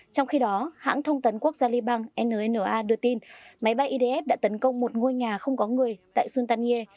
trong khi đó hãng thông tấn quốc gia liban nna đưa tin máy bay idf đã tấn công một ngôi nhà không có người tại suntanier